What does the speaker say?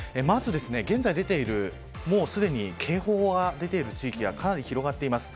現在すでに警報が出ている地域がかなり広がっています。